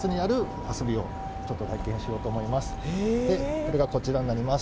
それがこちらになります。